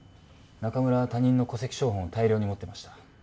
中村は他人の戸籍抄本を大量に持ってました。